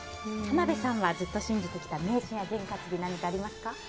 浜辺さんはずっと信じてきた迷信や験担ぎ何かありますか？